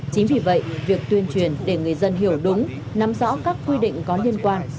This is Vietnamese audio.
chính vì vậy việc tuyên truyền để người dân hiểu đúng nắm rõ các quy định có liên quan